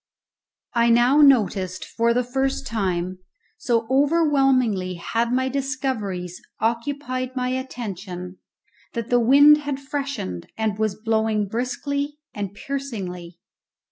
I now noticed for the first time, so overwhelmingly had my discoveries occupied my attention, that the wind had freshened and was blowing briskly and piercingly.